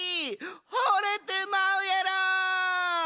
ほれてまうやろ。